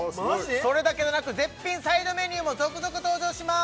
それだけじゃなく絶品サイドメニューも続々登場します